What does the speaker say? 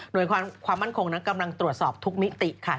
โดยความมั่นคงนั้นกำลังตรวจสอบทุกมิติค่ะ